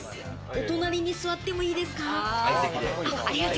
お隣に座ってもいいですか？